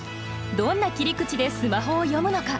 どんな切り口でスマホを詠むのか。